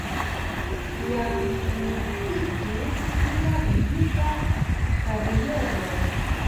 Tiam komenciĝis sia muzika kariero.